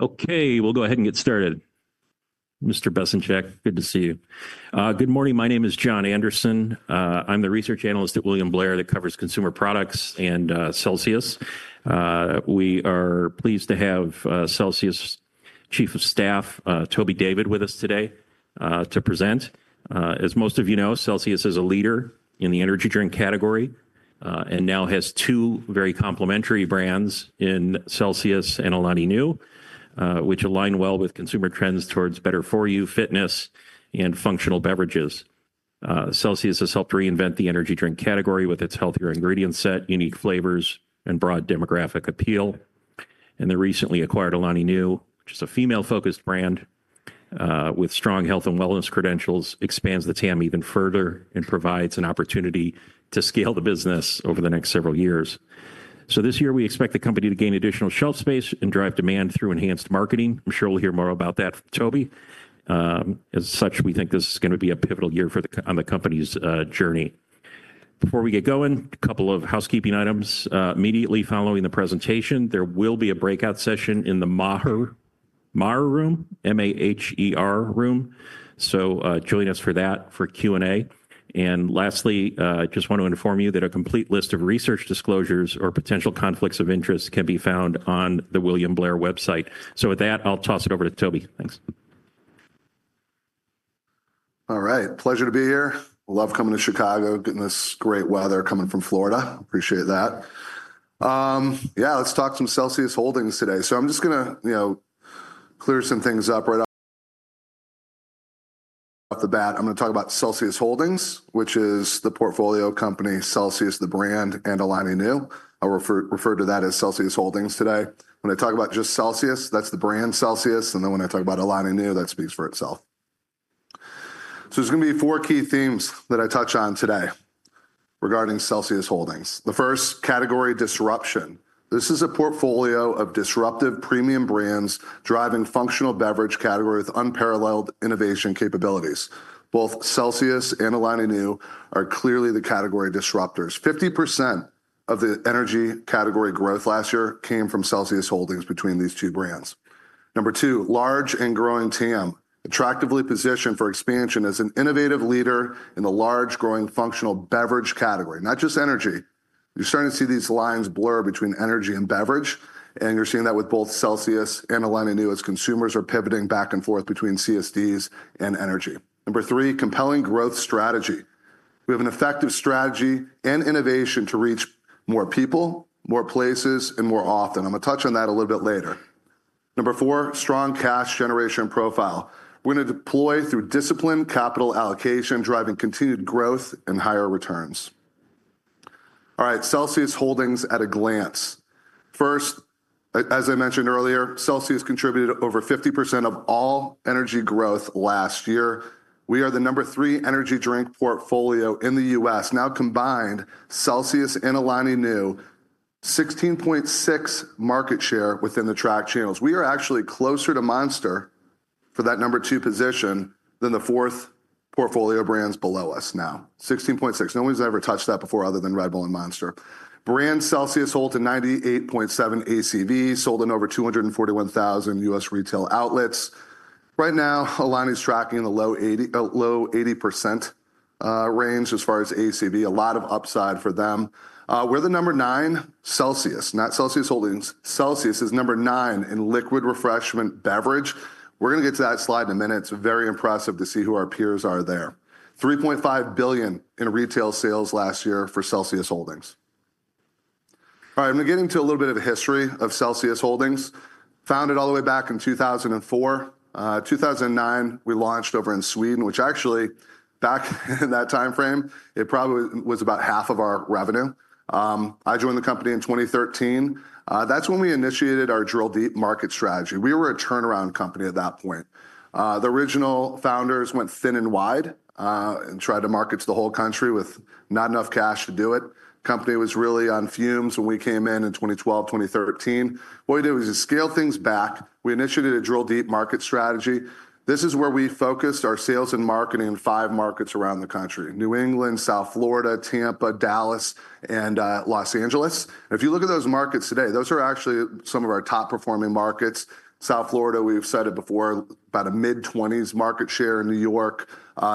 Okay, we'll go ahead and get started. Mr. Besencheck, good to see you. Good morning. My name is Jon Anderson. I'm the research analyst at William Blair that covers consumer products and Celsius. We are pleased to have Celsius Chief of Staff, Toby David, with us today to present. As most of you know, Celsius is a leader in the energy drink category and now has two very complementary brands in Celsius and Alani Nu, which align well with consumer trends towards better-for-you fitness and functional beverages. Celsius has helped reinvent the energy drink category with its healthier ingredient set, unique flavors, and broad demographic appeal. They recently acquired Alani Nu, which is a female-focused brand with strong health and wellness credentials, expands the TAM even further and provides an opportunity to scale the business over the next several years. This year, we expect the company to gain additional shelf space and drive demand through enhanced marketing. I'm sure we'll hear more about that from Toby. As such, we think this is going to be a pivotal year for the company's journey. Before we get going, a couple of housekeeping items. Immediately following the presentation, there will be a breakout session in the Maher room, M-A-H-E-R room. Join us for that for Q&A. Lastly, I just want to inform you that a complete list of research disclosures or potential conflicts of interest can be found on the William Blair website. With that, I'll toss it over to Toby. Thanks. All right. Pleasure to be here. Love coming to Chicago, getting this great weather coming from Florida. Appreciate that. Yeah, let's talk some Celsius Holdings today. I'm just going to, you know, clear some things up right off the bat. I'm going to talk about Celsius Holdings, which is the portfolio company, Celsius, the brand, and Alani Nu. I'll refer to that as Celsius Holdings today. When I talk about just Celsius, that's the brand Celsius. And then when I talk about Alani Nu, that speaks for itself. There's going to be four key themes that I touch on today regarding Celsius Holdings. The first category, disruption. This is a portfolio of disruptive premium brands driving functional beverage category with unparalleled innovation capabilities. Both Celsius and Alani Nu are clearly the category disruptors. Fifty percent of the energy category growth last year came from Celsius Holdings between these two brands. Number two, large and growing TAM, attractively positioned for expansion as an innovative leader in the large growing functional beverage category. Not just energy. You're starting to see these lines blur between energy and beverage. You're seeing that with both Celsius and Alani Nu as consumers are pivoting back and forth between CSDs and energy. Number three, compelling growth strategy. We have an effective strategy and innovation to reach more people, more places, and more often. I'm going to touch on that a little bit later. Number four, strong cash generation profile. We're going to deploy through disciplined capital allocation, driving continued growth and higher returns. All right, Celsius Holdings at a glance. First, as I mentioned earlier, Celsius contributed over 50% of all energy growth last year. We are the number three energy drink portfolio in the U.S. Now combined, Celsius and Alani Nu, 16.6% market share within the tracked channels. We are actually closer to Monster for that number two position than the fourth portfolio brands below us now. 16.6%. No one's ever touched that before other than Red Bull and Monster. Brand Celsius holds a 98.7% ACV, sold in over 241,000 U.S. retail outlets. Right now, Alani's tracking the low 80% range as far as ACV. A lot of upside for them. We're the number nine, Celsius. Not Celsius Holdings. Celsius is number nine in liquid refreshment beverage. We're going to get to that slide in a minute. It's very impressive to see who our peers are there. $3.5 billion in retail sales last year for Celsius Holdings. All right, I'm going to get into a little bit of history of Celsius Holdings. Founded all the way back in 2004. In 2009, we launched over in Sweden, which actually, back in that time frame, it probably was about half of our revenue. I joined the company in 2013. That's when we initiated our drill deep market strategy. We were a turnaround company at that point. The original founders went thin and wide and tried to market to the whole country with not enough cash to do it. The company was really on fumes when we came in in 2012, 2013. What we did was just scale things back. We initiated a drill deep market strategy. This is where we focused our sales and marketing in five markets around the country: New England, South Florida, Tampa, Dallas, and Los Angeles. If you look at those markets today, those are actually some of our top performing markets. South Florida, we've said it before, about a mid-20s market share. New York,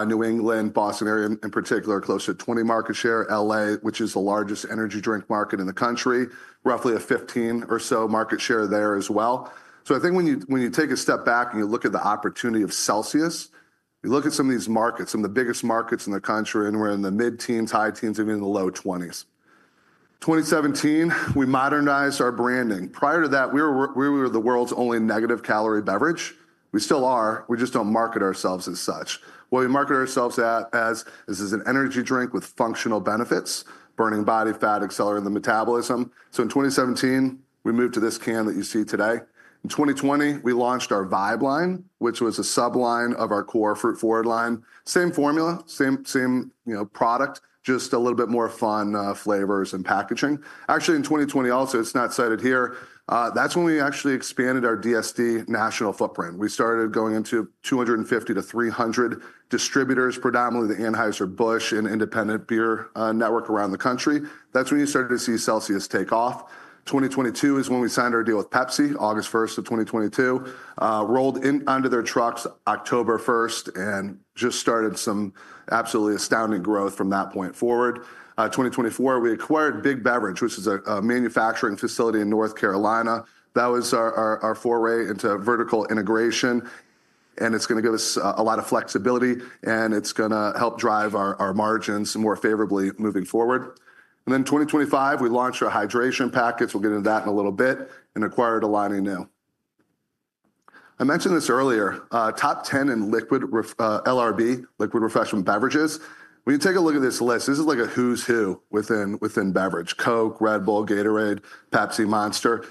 New England, Boston area in particular, close to 20% market share. LA, which is the largest energy drink market in the country, roughly a 15% or so market share there as well. I think when you take a step back and you look at the opportunity of Celsius, you look at some of these markets, some of the biggest markets in the country, and we're in the mid-teens, high teens, even in the low 20s. In 2017, we modernized our branding. Prior to that, we were the world's only negative calorie beverage. We still are. We just don't market ourselves as such. What we market ourselves as is an energy drink with functional benefits, burning body fat, accelerating the metabolism. In 2017, we moved to this can that you see today. In 2020, we launched our Vibe line, which was a subline of our core Fruit Forward line. Same formula, same product, just a little bit more fun flavors and packaging. Actually, in 2020 also, it's not cited here. That's when we actually expanded our DSD national footprint. We started going into 250-300 distributors, predominantly the Anheuser-Busch and independent beer network around the country. That's when you started to see Celsius take off. 2022 is when we signed our deal with Pepsi, August 1st of 2022, rolled in under their trucks October 1st and just started some absolutely astounding growth from that point forward. 2024, we acquired Big Beverage, which is a manufacturing facility in North Carolina. That was our foray into vertical integration. It is going to give us a lot of flexibility. It is going to help drive our margins more favorably moving forward. In 2025, we launched our hydration packets. We'll get into that in a little bit and acquired Alani Nu. I mentioned this earlier, top 10 in liquid LRB, liquid refreshment beverages. When you take a look at this list, this is like a who's who within beverage: Coke, Red Bull, Gatorade, Pepsi, Monster.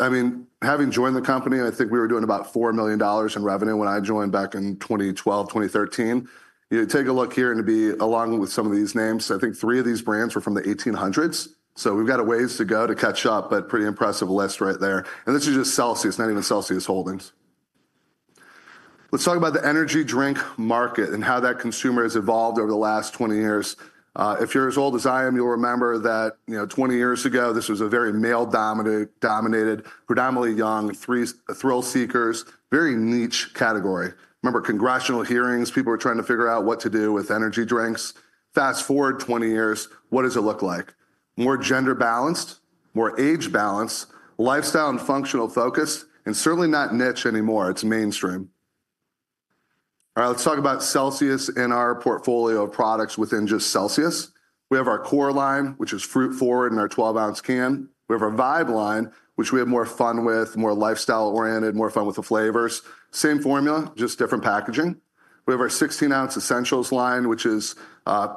I mean, having joined the company, I think we were doing about $4 million in revenue when I joined back in 2012, 2013. You take a look here and be along with some of these names. I think three of these brands were from the 1800s. We have a ways to go to catch up, but pretty impressive list right there. This is just Celsius, not even Celsius Holdings. Let's talk about the energy drink market and how that consumer has evolved over the last 20 years. If you're as old as I am, you'll remember that 20 years ago, this was a very male-dominated, predominantly young thrill seekers, very niche category. Remember congressional hearings, people were trying to figure out what to do with energy drinks. Fast forward 20 years, what does it look like? More gender balanced, more age balanced, lifestyle and functional focused, and certainly not niche anymore. It's mainstream. All right, let's talk about Celsius in our portfolio of products within just Celsius. We have our core line, which is Fruit Forward in our 12-ounce can. We have our Vibe line, which we have more fun with, more lifestyle oriented, more fun with the flavors. Same formula, just different packaging. We have our 16-ounce Essentials line, which is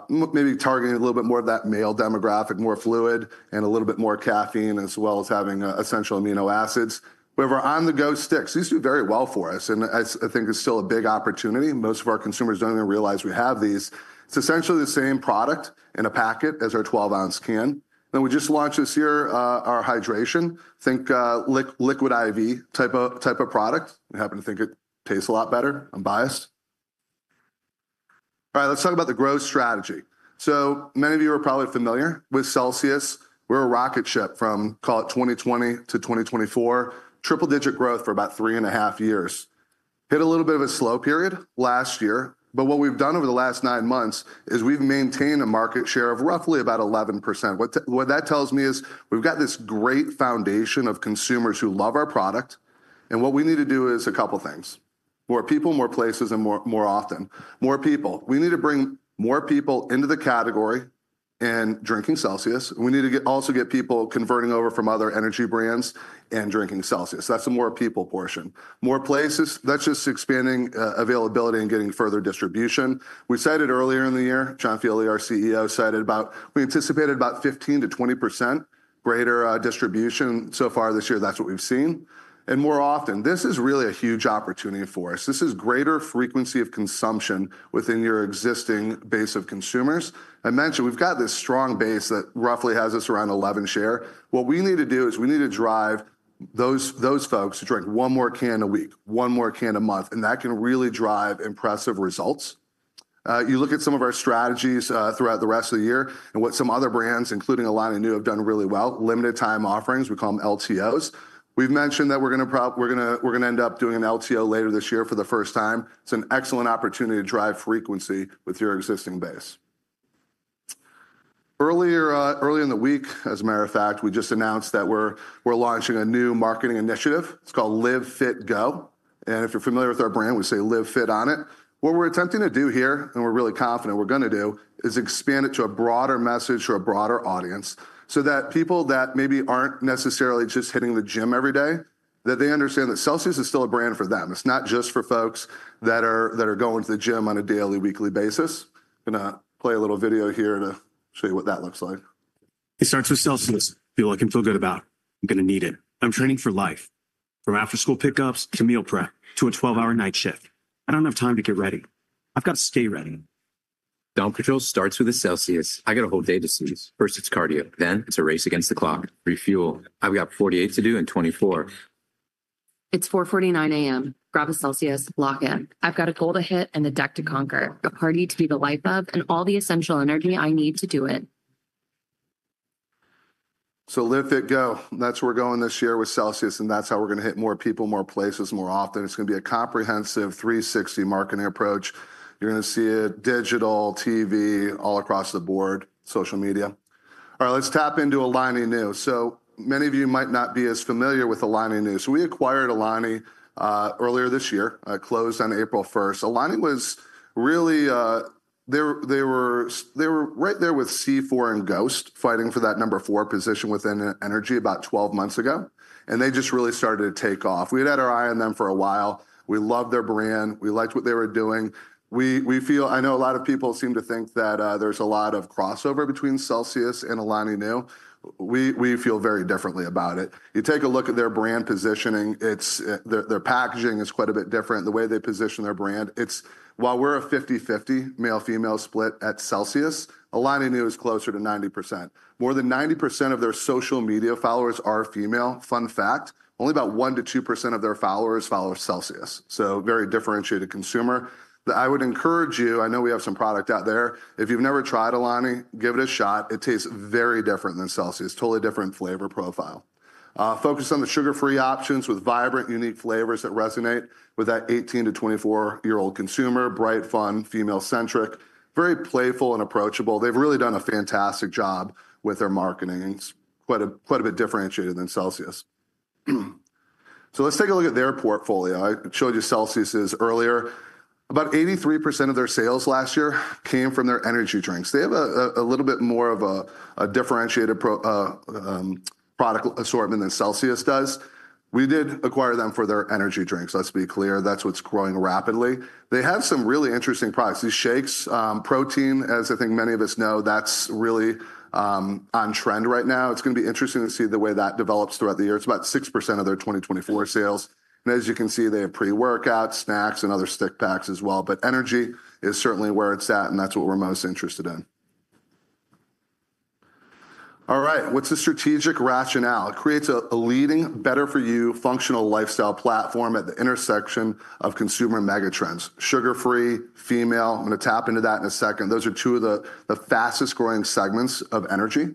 maybe targeting a little bit more of that male demographic, more fluid and a little bit more caffeine, as well as having essential amino acids. We have our on-the-go sticks. These do very well for us and I think are still a big opportunity. Most of our consumers do not even realize we have these. It is essentially the same product in a packet as our 12-ounce can. We just launched this year our hydration. Think liquid IV type of product. We happen to think it tastes a lot better. I am biased. All right, let's talk about the growth strategy. Many of you are probably familiar with Celsius. We are a rocket ship from, call it 2020-2024, triple-digit growth for about three and a half years. Hit a little bit of a slow period last year. What we have done over the last nine months is we have maintained a market share of roughly about 11%. What that tells me is we have got this great foundation of consumers who love our product. What we need to do is a couple of things: more people, more places, and more often. More people. We need to bring more people into the category and drinking Celsius. We need to also get people converting over from other energy brands and drinking Celsius. That's the more people portion. More places. That's just expanding availability and getting further distribution. We cited earlier in the year, John Fieldly, our CEO, cited about we anticipated about 15%-20% greater distribution so far this year. That's what we've seen. And more often, this is really a huge opportunity for us. This is greater frequency of consumption within your existing base of consumers. I mentioned we've got this strong base that roughly has us around 11% share. What we need to do is we need to drive those folks to drink one more can a week, one more can a month. That can really drive impressive results. You look at some of our strategies throughout the rest of the year and what some other brands, including Alani Nu, have done really well: limited time offerings. We call them LTOs. We've mentioned that we're going to end up doing an LTO later this year for the first time. It's an excellent opportunity to drive frequency with your existing base. Earlier in the week, as a matter of fact, we just announced that we're launching a new marketing initiative. It's called LIVE. FIT. GO. If you're familiar with our brand, we say LIVE FIT on it. What we're attempting to do here, and we're really confident we're going to do, is expand it to a broader message for a broader audience so that people that maybe aren't necessarily just hitting the gym every day, that they understand that Celsius is still a brand for them. It's not just for folks that are going to the gym on a daily, weekly basis. I'm going to play a little video here to show you what that looks like. It starts with Celsius. People I can feel good about. I'm going to need it. I'm training for life. From after-school pickups to meal prep to a 12-hour night shift. I don't have time to get ready. I've got to stay ready. Down control starts with a Celsius. I get a whole day to sneeze. First, it's cardio. Then it's a race against the clock. Refuel. I've got 48 to do and 24. It's 4:49 A.M. Grab a Celsius, lock in. I've got a goal to hit and a deck to conquer, a party to be the life of, and all the essential energy I need to do it. LIVE. FIT. GO. That's where we're going this year with Celsius. That's how we're going to hit more people, more places, more often. It's going to be a comprehensive 360 marketing approach. You're going to see it digital, TV, all across the board, social media. All right, let's tap into Alani Nu. Many of you might not be as familiar with Alani Nu. We acquired Alani earlier this year. It closed on April 1. Alani was really, they were right there with C4 and Ghost fighting for that number four position within energy about 12 months ago. They just really started to take off. We had had our eye on them for a while. We loved their brand. We liked what they were doing. I know a lot of people seem to think that there's a lot of crossover between Celsius and Alani Nu. We feel very differently about it. You take a look at their brand positioning. Their packaging is quite a bit different. The way they position their brand. While we're a 50/50 male-female split at Celsius, Alani Nu is closer to 90%. More than 90% of their social media followers are female. Fun fact, only about 1-2% of their followers follow Celsius. So very differentiated consumer. I would encourage you, I know we have some product out there. If you've never tried Alani, give it a shot. It tastes very different than Celsius. Totally different flavor profile. Focus on the sugar-free options with vibrant, unique flavors that resonate with that 18-24-year-old consumer. Bright, fun, female-centric, very playful and approachable. They've really done a fantastic job with their marketing. It's quite a bit differentiated than Celsius. Let's take a look at their portfolio. I showed you Celsius's earlier. About 83% of their sales last year came from their energy drinks. They have a little bit more of a differentiated product assortment than Celsius does. We did acquire them for their energy drinks. Let's be clear. That's what's growing rapidly. They have some really interesting products. These shakes, protein, as I think many of us know, that's really on trend right now. It's going to be interesting to see the way that develops throughout the year. It's about 6% of their 2024 sales. As you can see, they have pre-workout snacks and other stick packs as well. Energy is certainly where it's at. That's what we're most interested in. All right, what's the strategic rationale? It creates a leading, better-for-you functional lifestyle platform at the intersection of consumer megatrends. Sugar-free, female. I'm going to tap into that in a second. Those are two of the fastest-growing segments of energy.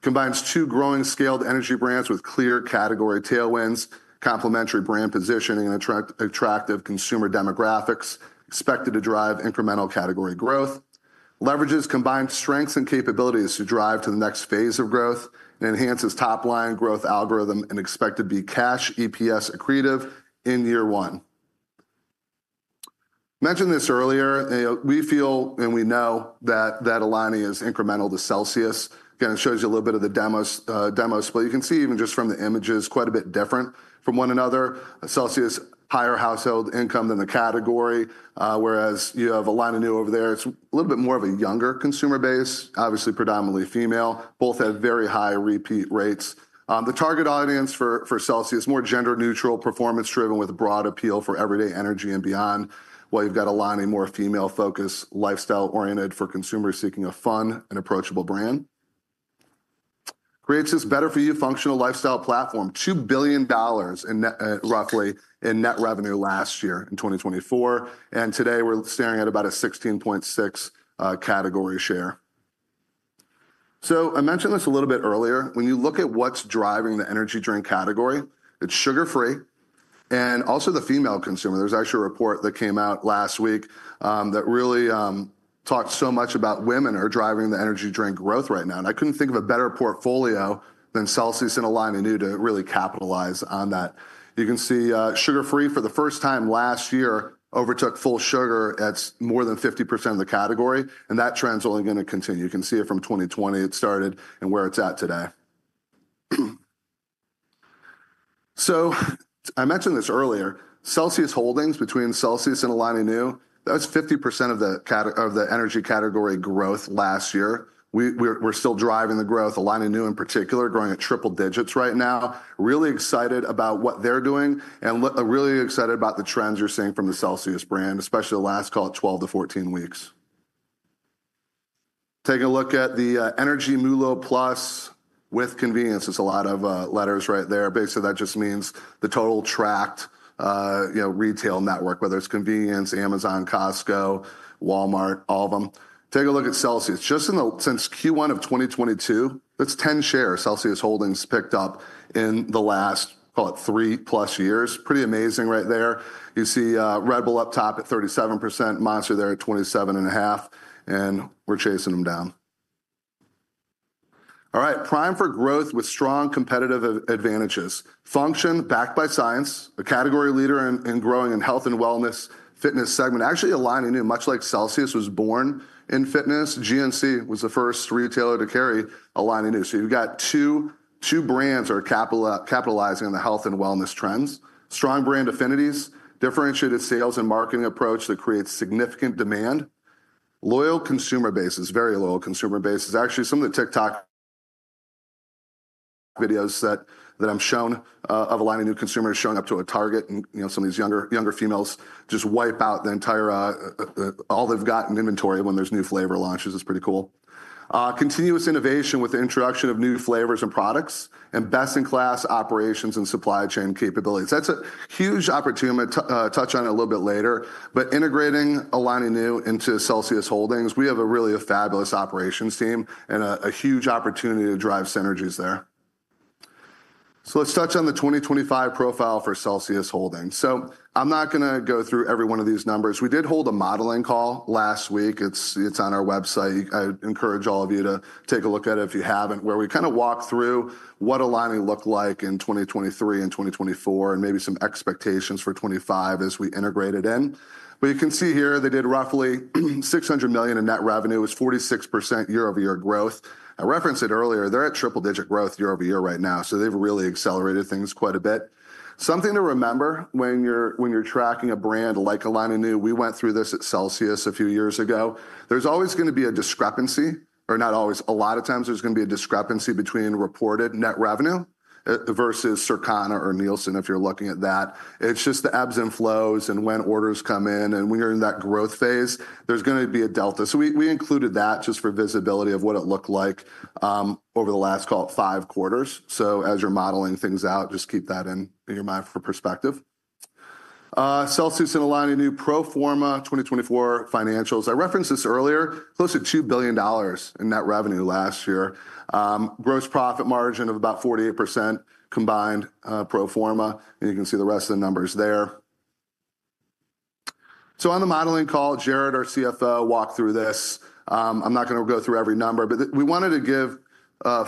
Combines two growing scaled energy brands with clear category tailwinds, complementary brand positioning and attractive consumer demographics, expected to drive incremental category growth. Leverages combined strengths and capabilities to drive to the next phase of growth and enhances top-line growth algorithm and expected to be cash EPS accretive in year one. Mentioned this earlier. We feel and we know that Alani is incremental to Celsius. Again, it shows you a little bit of the demos, but you can see even just from the images, quite a bit different from one another. Celsius higher household income than the category, whereas you have Alani Nu over there. It is a little bit more of a younger consumer base, obviously predominantly female. Both have very high repeat rates. The target audience for Celsius, more gender-neutral, performance-driven with broad appeal for everyday energy and beyond. While you've got Alani more female-focused, lifestyle-oriented for consumers seeking a fun and approachable brand. Creates this better-for-you functional lifestyle platform, $2 billion roughly in net revenue last year in 2024. Today we're staring at about a 16.6% category share. I mentioned this a little bit earlier. When you look at what's driving the energy drink category, it's sugar-free and also the female consumer. There's actually a report that came out last week that really talked so much about women are driving the energy drink growth right now. I couldn't think of a better portfolio than Celsius and Alani Nu to really capitalize on that. You can see sugar-free for the first time last year overtook full sugar at more than 50% of the category. That trend's only going to continue. You can see it from 2020. It started and where it's at today. I mentioned this earlier. Celsius Holdings, between Celsius and Alani Nu, that was 50% of the energy category growth last year. We're still driving the growth. Alani Nu in particular, growing at triple digits right now. Really excited about what they're doing and really excited about the trends you're seeing from the Celsius brand, especially the last, call it 12-14 weeks. Take a look at the energy Mulo Plus with convenience. There's a lot of letters right there. Basically, that just means the total tracked retail network, whether it's convenience, Amazon, Costco, Walmart, all of them. Take a look at Celsius. Just since Q1 of 2022, that's 10 shares Celsius Holdings picked up in the last, call it three-plus years. Pretty amazing right there. You see Red Bull up top at 37%, Monster there at 27.5%. And we're chasing them down. All right, prime for growth with strong competitive advantages. Function backed by science, a category leader in growing in health and wellness fitness segment. Actually, Alani Nu, much like Celsius, was born in fitness. GNC was the first retailer to carry Alani Nu. You have got two brands that are capitalizing on the health and wellness trends. Strong brand affinities, differentiated sales and marketing approach that creates significant demand. Loyal consumer bases, very loyal consumer bases. Actually, some of the TikTok videos that I am showing of Alani Nu consumers showing up to a Target and some of these younger females just wipe out the entire, all they have got in inventory when there are new flavor launches. It is pretty cool. Continuous innovation with the introduction of new flavors and products and best-in-class operations and supply chain capabilities. That is a huge opportunity. I am going to touch on it a little bit later. Integrating Alani Nu into Celsius Holdings, we have a really fabulous operations team and a huge opportunity to drive synergies there. Let's touch on the 2025 profile for Celsius Holdings. I'm not going to go through every one of these numbers. We did hold a modeling call last week. It's on our website. I encourage all of you to take a look at it if you haven't, where we kind of walk through what Alani looked like in 2023 and 2024 and maybe some expectations for 2025 as we integrate it in. You can see here they did roughly $600 million in net revenue. It was 46% year-over-year growth. I referenced it earlier. They're at triple-digit growth year-over-year right now. They've really accelerated things quite a bit. Something to remember when you're tracking a brand like Alani Nu, we went through this at Celsius a few years ago. There's always going to be a discrepancy, or not always, a lot of times there's going to be a discrepancy between reported net revenue versus Circana or Nielsen if you're looking at that. It's just the ebbs and flows and when orders come in. When you're in that growth phase, there's going to be a delta. We included that just for visibility of what it looked like over the last, call it five quarters. As you're modeling things out, just keep that in your mind for perspective. Celsius and Alani Nu, pro forma 2024 financials. I referenced this earlier. Close to $2 billion in net revenue last year. Gross profit margin of about 48% combined pro forma. You can see the rest of the numbers there. On the modeling call, Jarrod, our CFO, walked through this. I'm not going to go through every number, but we wanted to give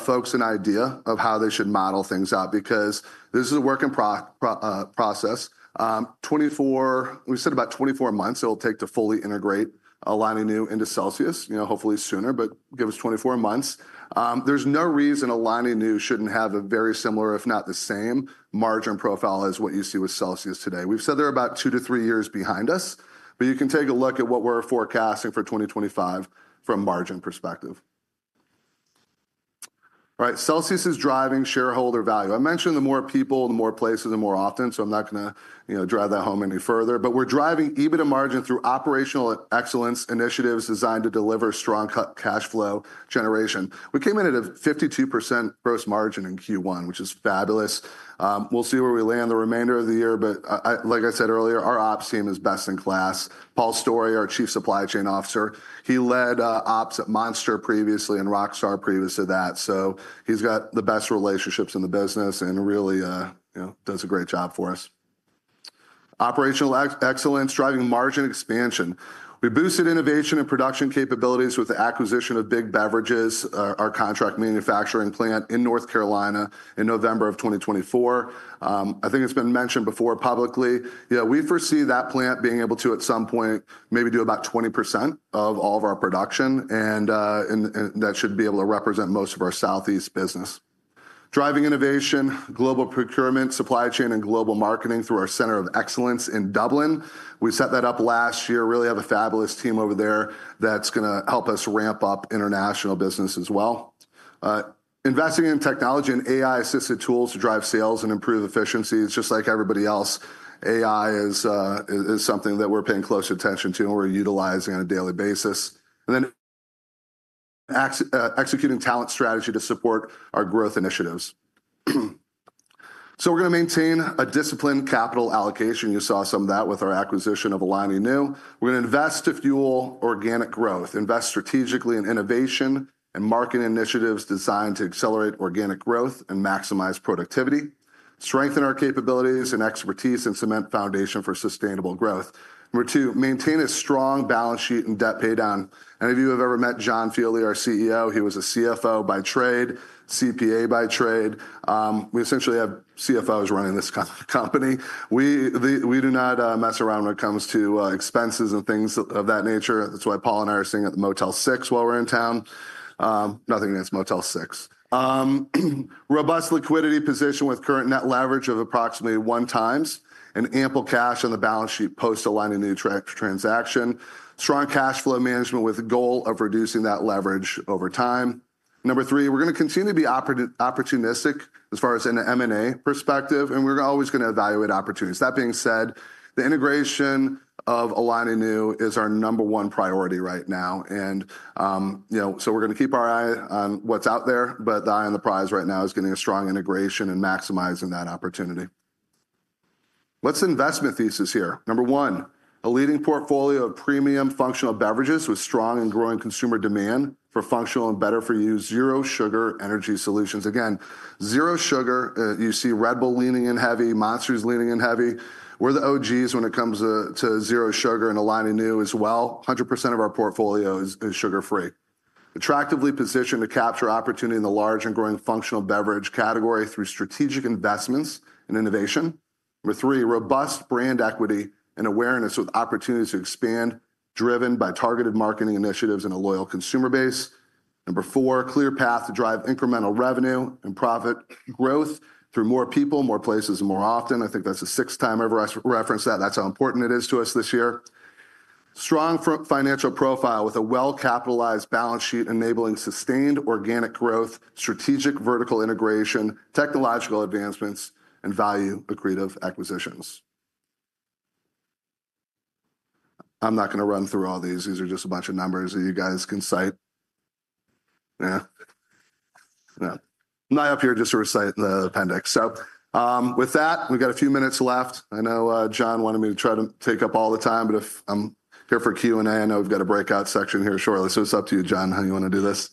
folks an idea of how they should model things out because this is a working process. We said about 24 months it'll take to fully integrate Alani Nu into Celsius. Hopefully sooner, but give us 24 months. There's no reason Alani Nu shouldn't have a very similar, if not the same, margin profile as what you see with Celsius today. We've said they're about two to three years behind us. But you can take a look at what we're forecasting for 2025 from a margin perspective. All right, Celsius is driving shareholder value. I mentioned the more people, the more places, the more often. I'm not going to drive that home any further. We're driving EBITDA margin through operational excellence initiatives designed to deliver strong cash flow generation. We came in at a 52% gross margin in Q1, which is fabulous. We'll see where we land the remainder of the year. Like I said earlier, our ops team is best in class. Paul Storey, our Chief Supply Chain Officer, he led ops at Monster previously and Rockstar previous to that. He's got the best relationships in the business and really does a great job for us. Operational excellence driving margin expansion. We boosted innovation and production capabilities with the acquisition of Big Beverage, our contract manufacturing plant in North Carolina in November of 2024. I think it's been mentioned before publicly. We foresee that plant being able to at some point maybe do about 20% of all of our production. That should be able to represent most of our Southeast business. Driving innovation, global procurement, supply chain, and global marketing through our center of excellence in Dublin. We set that up last year. Really have a fabulous team over there that's going to help us ramp up international business as well. Investing in technology and AI-assisted tools to drive sales and improve efficiencies. Just like everybody else, AI is something that we're paying close attention to and we're utilizing on a daily basis. Executing talent strategy to support our growth initiatives. We're going to maintain a disciplined capital allocation. You saw some of that with our acquisition of Alani Nu. We're going to invest to fuel organic growth, invest strategically in innovation and market initiatives designed to accelerate organic growth and maximize productivity, strengthen our capabilities and expertise, and cement foundation for sustainable growth. Number two, maintain a strong balance sheet and debt paydown. If you have ever met John Fieldly, our CEO, he was a CFO by trade, CPA by trade. We essentially have CFOs running this company. We do not mess around when it comes to expenses and things of that nature. That is why Paul and I are sitting at the Motel 6 while we are in town. Nothing against Motel 6. Robust liquidity position with current net leverage of approximately one times and ample cash on the balance sheet post Alani Nu transaction. Strong cash flow management with a goal of reducing that leverage over time. Number three, we are going to continue to be opportunistic as far as an M&A perspective. We are always going to evaluate opportunities. That being said, the integration of Alani Nu is our number one priority right now. We're going to keep our eye on what's out there. The eye on the prize right now is getting a strong integration and maximizing that opportunity. What's the investment thesis here? Number one, a leading portfolio of premium functional beverages with strong and growing consumer demand for functional and better-for-you zero sugar energy solutions. Again, zero sugar. You see Red Bull leaning in heavy, Monster's leaning in heavy. We're the OGs when it comes to zero sugar and Alani Nu as well. 100% of our portfolio is sugar-free. Attractively positioned to capture opportunity in the large and growing functional beverage category through strategic investments and innovation. Number three, robust brand equity and awareness with opportunities to expand driven by targeted marketing initiatives and a loyal consumer base. Number four, clear path to drive incremental revenue and profit growth through more people, more places, and more often. I think that's the sixth time I've ever referenced that. That's how important it is to us this year. Strong financial profile with a well-capitalized balance sheet enabling sustained organic growth, strategic vertical integration, technological advancements, and value-accretive acquisitions. I'm not going to run through all these. These are just a bunch of numbers that you guys can cite. Yeah. I'm not up here just to recite the appendix. With that, we've got a few minutes left. I know Jon wanted me to try to take up all the time, but if I'm here for Q&A, I know we've got a breakout section here shortly. It's up to you, Jon, how you want to do this.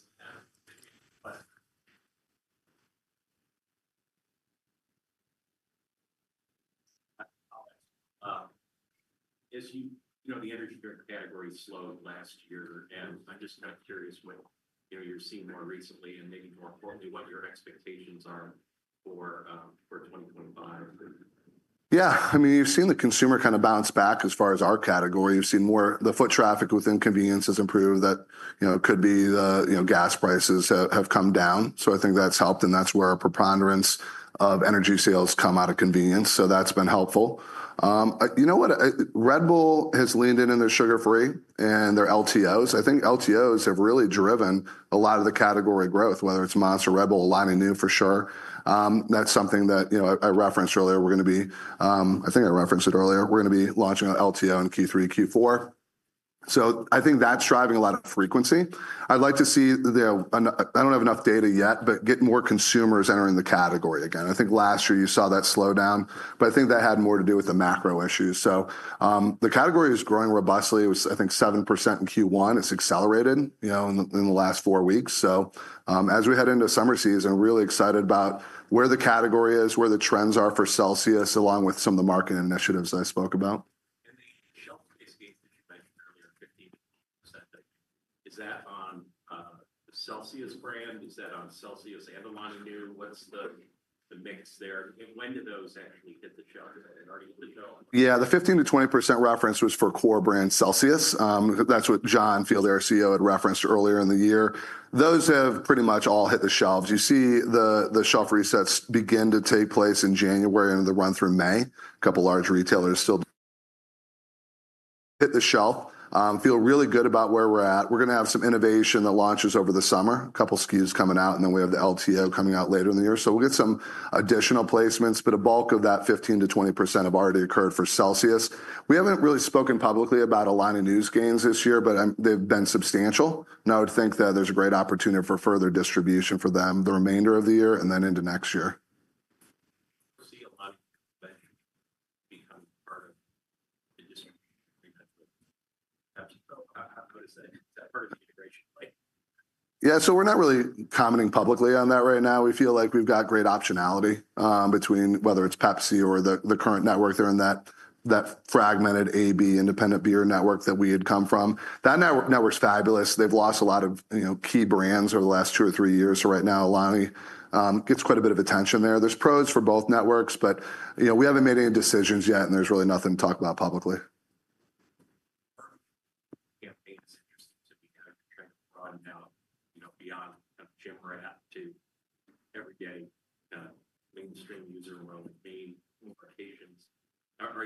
As you know, the energy drink category slowed last year. I'm just kind of curious what you're seeing more recently and maybe more importantly what your expectations are for 2025. Yeah. I mean, you've seen the consumer kind of bounce back as far as our category. You've seen more the foot traffic within convenience has improved. That could be the gas prices have come down. I think that's helped. That's where our preponderance of energy sales come out of convenience. That's been helpful. You know what? Red Bull has leaned in on their sugar-free and their LTOs. I think LTOs have really driven a lot of the category growth, whether it's Monster, Red Bull, Alani Nu for sure. That's something that I referenced earlier. We're going to be, I think I referenced it earlier. We're going to be launching an LTO in Q3, Q4. I think that's driving a lot of frequency. I'd like to see, I don't have enough data yet, but get more consumers entering the category again. I think last year you saw that slowdown. I think that had more to do with the macro issues. The category is growing robustly. It was, I think, 7% in Q1. It has accelerated in the last four weeks. As we head into summer season, I'm really excited about where the category is, where the trends are for Celsius, along with some of the market initiatives that I spoke about. The shelf space gain that you mentioned earlier, 15%, is that on the Celsius brand? Is that on Celsius and Alani Nu? What's the mix there? When did those actually hit the shelves? Did it already hit the shelves? Yeah. The 15-20% reference was for core brand Celsius. That's what John Fieldly, our CEO, had referenced earlier in the year. Those have pretty much all hit the shelves. You see the shelf resets begin to take place in January and they run through May. A couple of large retailers still hit the shelf. Feel really good about where we're at. We're going to have some innovation that launches over the summer. A couple of SKUs coming out. Then we have the LTO coming out later in the year. We will get some additional placements. A bulk of that 15%-20% have already occurred for Celsius. We haven't really spoken publicly about Alani Nu's gains this year, but they've been substantial. I would think that there's a great opportunity for further distribution for them the remainder of the year and then into next year. We will see Alani Nu become part of the distribution of Pepsi. How would it say? Is that part of the integration? Yeah. We're not really commenting publicly on that right now. We feel like we've got great optionality between whether it's Pepsi or the current network there in that fragmented AB independent beer network that we had come from. That network's fabulous. They've lost a lot of key brands over the last two or three years. Right now, Alani gets quite a bit of attention there. There's pros for both networks. We haven't made any decisions yet. There's really nothing to talk about publicly.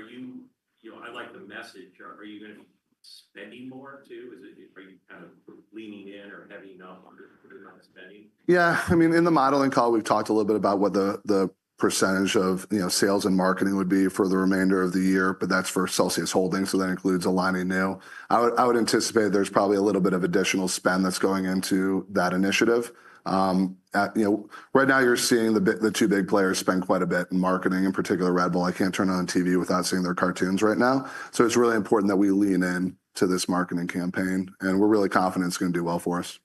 Yeah. It's interesting to be kind of broadened out beyond kind of gym rat to everyday mainstream user world, main locations. I like the message. Are you going to be spending more too? Are you kind of leaning in or heavy enough on your spending? Yeah. I mean, in the modeling call, we've talked a little bit about what the percentage of sales and marketing would be for the remainder of the year. But that's for Celsius Holdings. So that includes Alani Nu. I would anticipate there's probably a little bit of additional spend that's going into that initiative. Right now, you're seeing the two big players spend quite a bit in marketing, in particular Red Bull. I can't turn on TV without seeing their cartoons right now. It is really important that we lean into this marketing campaign. We're really confident it's going to do well for us.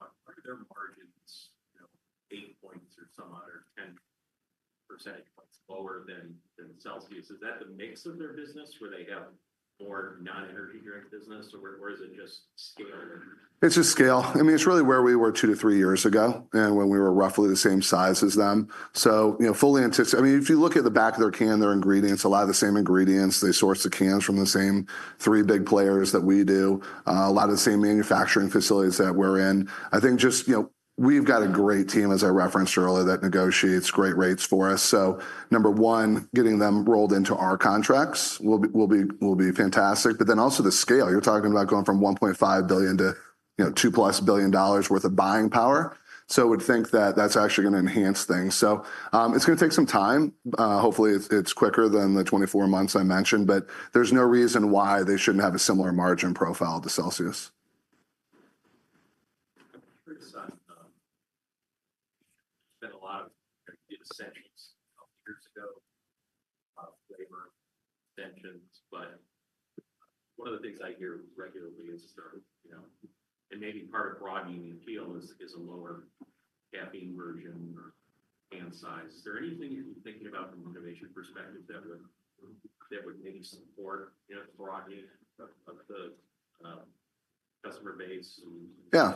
Are their margins 8 percentage points or some other 10 percentage points lower than Celsius? Is that the mix of their business where they have more non-energy drink business? Or is it just scale? It's just scale. I mean, it's really where we were two to three years ago and when we were roughly the same size as them. I fully anticipate. I mean, if you look at the back of their can, their ingredients, a lot of the same ingredients. They source the cans from the same three big players that we do, a lot of the same manufacturing facilities that we're in. I think just we've got a great team, as I referenced earlier, that negotiates great rates for us. Number one, getting them rolled into our contracts will be fantastic. Also the scale. You're talking about going from $1.5 billion to $2 billion-plus worth of buying power. I would think that that's actually going to enhance things. It's going to take some time. Hopefully, it's quicker than the 24 months I mentioned. There's no reason why they shouldn't have a similar margin profile to Celsius. You've spent a lot of extensions a couple of years ago of flavor extensions. One of the things I hear regularly is, and maybe part of broadening the appeal is a lower caffeine version or can size. Is there anything that you're thinking about from an innovation perspective that would maybe support the broadening of the customer base? Yeah.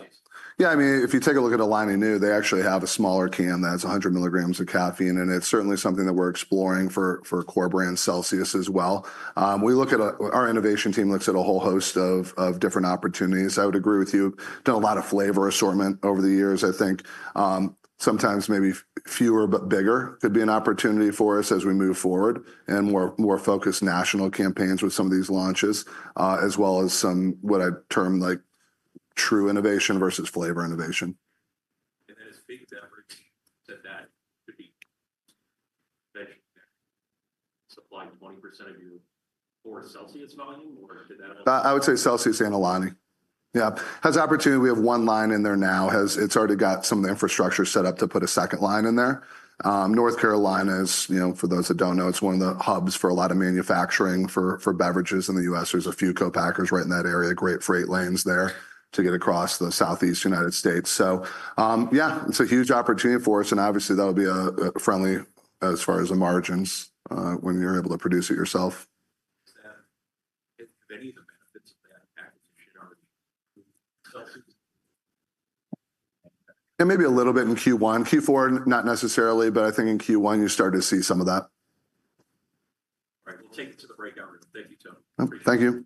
Yeah. I mean, if you take a look at Alani Nu, they actually have a smaller can that's 100 mg of caffeine. It's certainly something that we're exploring for core brand Celsius as well. Our innovation team looks at a whole host of different opportunities. I would agree with you. Done a lot of flavor assortment over the years. I think sometimes maybe fewer, but bigger could be an opportunity for us as we move forward and more focused national campaigns with some of these launches, as well as some what I term true innovation versus flavor innovation. As big as ever, said that could be supplying 20% of your core Celsius volume, or did that? I would say Celsius and Alani. Yeah. Has opportunity. We have one line in there now. It's already got some of the infrastructure set up to put a second line in there. North Carolina is, for those that do not know, it's one of the hubs for a lot of manufacturing for beverages in the U.S. There are a few co-packers right in that area, great freight lanes there to get across the Southeast United States. Yeah, it's a huge opportunity for us. That would be friendly as far as the margins when you're able to produce it yourself. Is that, if any of the benefits of that packaging should already include Celsius? Yeah. Maybe a little bit in Q1. Q4, not necessarily. I think in Q1, you start to see some of that. All right. We'll take it to the breakout room. Thank you, Toby. Thank you.